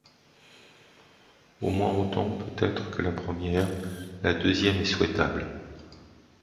Au moins autant peut-être que la première, la deuxième est souhaitable.